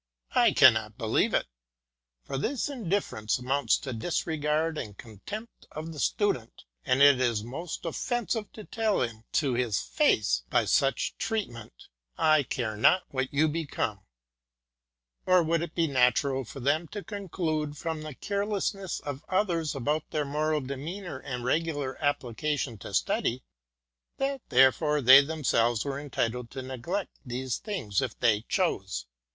I cannot believe it, for this indifference amounts to disregard and contempt of the Stu dent, and it is most offensive to tell him to his face, by such treatment " I care not what you become." Or would it 176 LECTURE VI. be natural for them to conclude, from the carelessness of others about their moral demeanour and regular applica tion to study, that therefore they themselves were entitled to neglect these things if they chose?